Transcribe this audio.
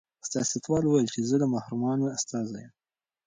سیاستوال وویل چې زه د محرومانو استازی یم.